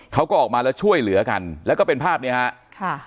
เขาก็ออกมาแล้วช่วยเหลือกันแล้วก็เป็นภาพเนี้ยฮะค่ะ